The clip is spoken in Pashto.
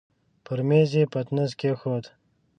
پر مېز يې پتنوس کېښود.